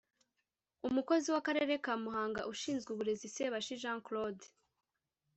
Umukozi w’Akarere ka Muhanga ushinzwe Uburezi Sebashi Jean Claude